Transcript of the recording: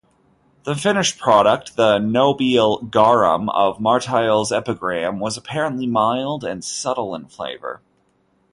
The finished product-the "nobile garum" of Martial's epigram-was apparently mild and subtle in flavor.